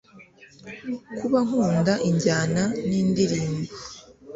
kuba nkunda injyana nindirimbo